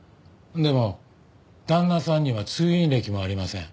でも旦那さんには通院歴もありません。